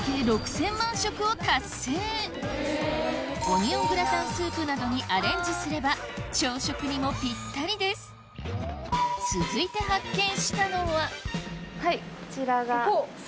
オニオングラタンスープなどにアレンジすれば朝食にもぴったりですはいこちらが。